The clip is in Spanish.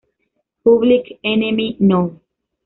Public Enemy No.